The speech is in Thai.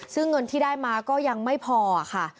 ซึ่งเงินที่ได้มาก็ยังไม่พอค่ะ